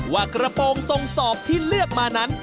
ว่ากระโปรงทรงสอบที่เลือกมานั้น